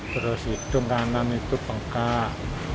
terus hidung kanan itu bengkak